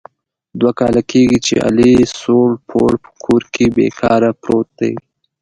دوه کال کېږي چې علي سوړ پوړ په کور کې بې کاره پروت دی.